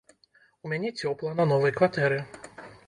У мяне цёпла на новай кватэры.